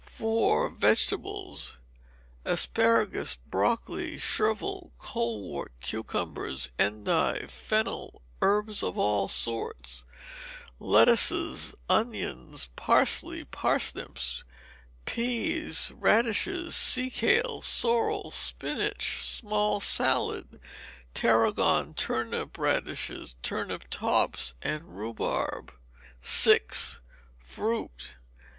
iv. Vegetables. Asparagus, broccoli, chervil, colewort, cucumbers, endive, fennel, herbs of all sorts, lettuce, onions, parsley, parsnips, peas, radishes, sea kale, sorrel, spinach, small salad, tarragon, turnip radishes, turnip tops, and rhubarb. v. Fruit.